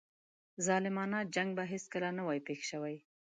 ظالمانه جنګ به هیڅکله نه وای پېښ شوی.